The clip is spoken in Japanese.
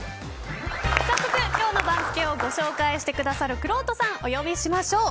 早速、今日の番付をご紹介してくださるくろうとさんをお呼びしましょう。